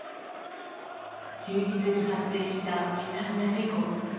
休日に発生した悲惨な事故。